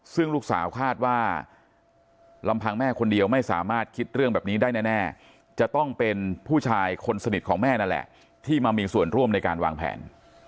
ซึ่งลูกสาวคาดว่าลำพังแม่คนเดียวไม่สามารถคิดเรื่องแบบนี้ได้แน่จะต้องเป็นผู้ชายคนสนิทของแม่นั่นแหละที่มามีส่วนร่วมในการวางแผน